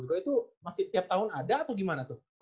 itu masih tiap tahun ada atau gimana tuh